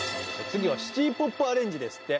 次はシティポップアレンジですって。